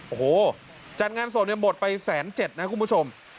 โอ้โฮจัดงานศพหมดไป๑๗๐๐๐๐บาทนะคุณผู้ชม